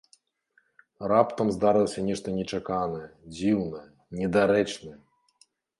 Раптам здарылася нешта нечаканае, дзіўнае, недарэчнае!